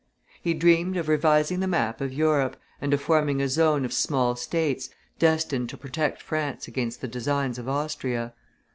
He dreamed of revising the map of Europe, and of forming a zone of small states, destined to protect France against the designs of Austria.